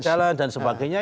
challenge dan sebagainya